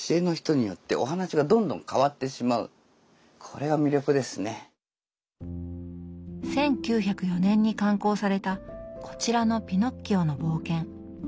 何が面白いかというと１９０４年に刊行されたこちらの「ピノッキオの冒険」。